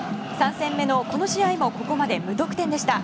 ３戦目のこの試合もここまで無得点でした。